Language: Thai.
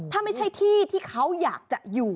ถ้าไม่ใช่ที่ที่เขาอยากจะอยู่